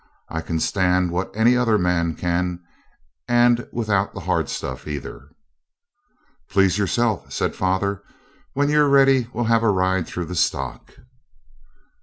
I can stand what any other man can, and without the hard stuff, either.' 'Please yourself,' said father. 'When you're ready we'll have a ride through the stock.'